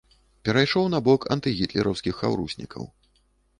Перайшоў на бок антыгітлераўскіх хаўруснікаў.